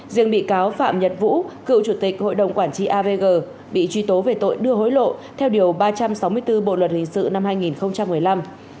riêng bị cáo phạm nhật vũ cựu chủ tịch hội đồng quản trị avg bị truy tố về tội đưa hối lộ theo điều ba trăm sáu mươi bốn bộ luật hình sự năm hai nghìn một mươi năm